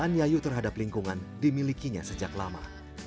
dan kemampuan terhadap lingkungan dimilikinya sejak lama